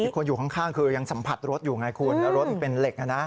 คนอยู่ข้างคือยังสัมผัสรถอยู่ไงคุณแล้วรถมันเป็นเหล็กนะ